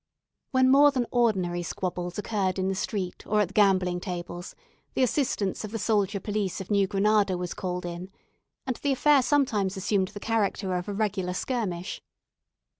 When more than ordinary squabbles occurred in the street or at the gambling tables, the assistance of the soldier police of New Granada was called in, and the affair sometimes assumed the character of a regular skirmish.